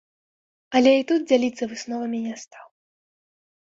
Але і тут дзяліцца высновамі не стаў.